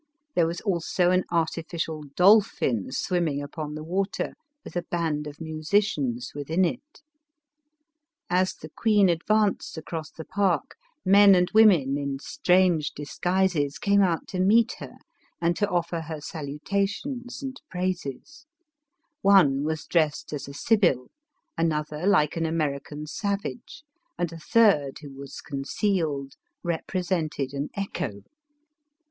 There was also an artificial dolphin swimming upon the water, with a band of musicians within it. As the queen advanced across the park, men and women, in strange disguises, came out to meet her, and to offer her salutations and praises* One was dressed as a sibyl, another like an American savage, and a third, who was concealed, rep resented an echo.